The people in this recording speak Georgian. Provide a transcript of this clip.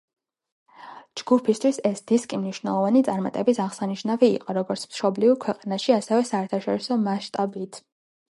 ჯგუფისთვის ეს დისკი მნიშვნელოვანი წარმატების აღსანიშნავი იყო, როგორც მშობლიურ ქვეყანაში, ასევე საერთაშორისო მასშტაბით.